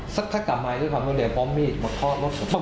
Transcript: สักท่ากลับมาที่จะทำเรื่องเรียนพร้อมมีดมัดทอดรถปุ๊บปุ๊บปุ๊บ